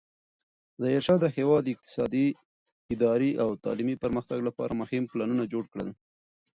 ظاهرشاه د هېواد د اقتصادي، اداري او تعلیمي پرمختګ لپاره مهم پلانونه جوړ کړل.